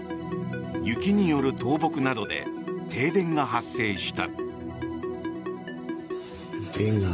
雪による倒木などで停電が発生した。